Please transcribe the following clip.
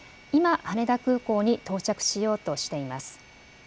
今、羽田空港に到着しようとしています。